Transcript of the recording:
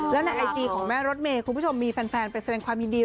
แล้วในไอจีของแม่รถเมย์คุณผู้ชมมีแฟนไปแสดงความยินดี